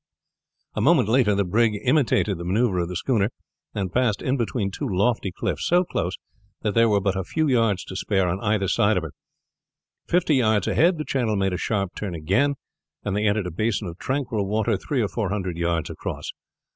A moment later the brig imitated the maneuver of the schooner and passed in between two lofty cliffs, so close that there were but a few yards to spare on either side of her. Fifty yards ahead the channel made a sharp turn again, and they entered a basin of tranquil water three or four hundred yards across.